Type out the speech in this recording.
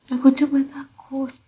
aku cuma takut